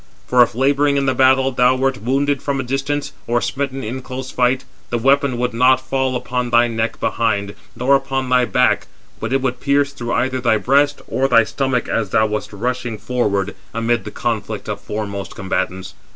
For if, labouring [in the battle], thou wert wounded from a distance, or smitten in close fight, the weapon would not fall upon thy neck behind, nor upon thy back; but it would pierce through either thy breast, or thy stomach, as thou wast rushing forward amid the conflict 420 of foremost combatants.